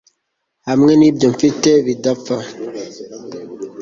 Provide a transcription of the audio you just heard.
Hamwe nibyo mfite bidapfa